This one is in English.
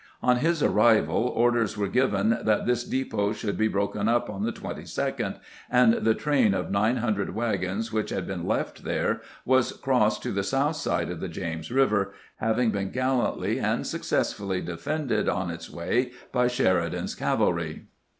On his arrival, orders were given that this depot should be broken up on the 22d, and the train of nine hundred wagons which had been left there was crossed to the south side of the James River, having been gallantly and successfully defended on its way by Sheridan's cavalry.